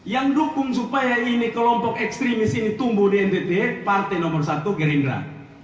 yang dukung supaya ini kelompok ekstremis ini tumbuh di ntt partai nomor satu gerindra